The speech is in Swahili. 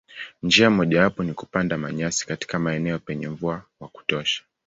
Njia mojawapo ni kupanda manyasi katika maeneo penye mvua wa kutosha.